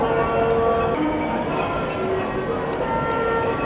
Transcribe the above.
สวัสดีครับ